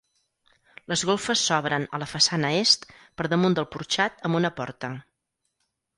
Les golfes s'obren a la façana est per damunt del porxat amb una porta.